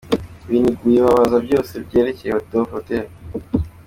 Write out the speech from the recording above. Biniguye babaza byose byerekeye Dove Hotel.